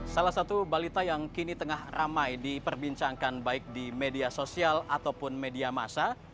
salah satu balita yang kini tengah ramai diperbincangkan baik di media sosial ataupun media masa